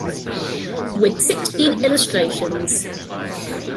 With sixteen illustrations.